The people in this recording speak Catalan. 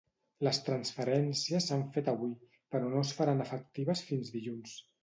Les transferències s’han fet avui, però no es faran efectives fins dilluns.